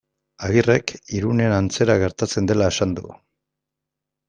Agirrek Irunen antzera gertatzen dela esan du.